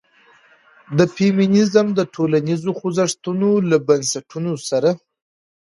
د فيمنيزم د ټولنيزو خوځښتونو له بنسټونو سره